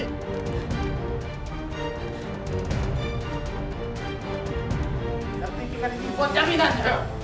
tertikikan ini buat jaminan